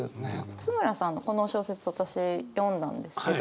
津村さんのこの小説私読んだんですけど。